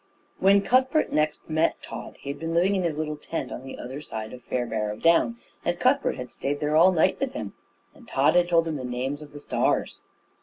When Cuthbert next met Tod, he had been living in his little tent on the other side of Fairbarrow Down; and Cuthbert had stayed there all night with him, and Tod had told him the names of the stars.